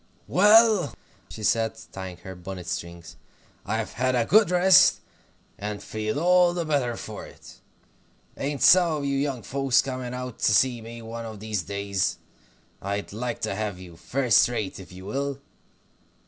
"Well," she said, tying her bonnet strings, "I've had a good rest, and feel all the better for it. Ain't some of you young folks coming out to see me one of these days? I'd like to have you, first rate, if you will.